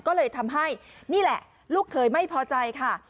ก็เลยทำให้นี่แหละลูกเคยไม่พอใจค่ะ